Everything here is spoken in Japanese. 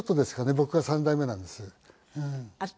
僕が３代目なんです。